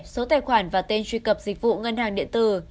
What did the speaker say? số tài khoản và tên truy cập dịch vụ ngân hàng điện tử